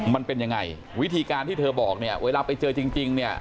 มันเป็นยังไงวิธีการที่เธอบอกเนี่ยเวลาไปเจอจริงเนี่ย